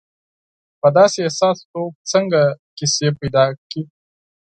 په داسې احساس څوک څنګه کیسې پیدا کړي.